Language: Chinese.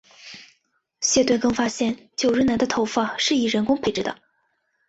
谢顿更发现久瑞南的头发是以人工培植的。